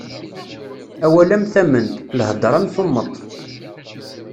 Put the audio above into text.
Awal am tamment, lhedṛa am tummeṭ.